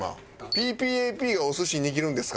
「ＰＰＡＰ」がお寿司握るんですか？